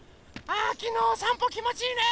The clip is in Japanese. あきのおさんぽきもちいいね。